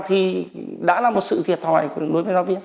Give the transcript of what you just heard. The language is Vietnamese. thì đã là một sự thiệt thòi đối với giáo viên